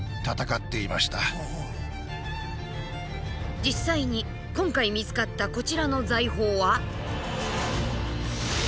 実際に今回見つかったこちらの財宝は。